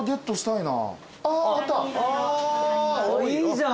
いいじゃん。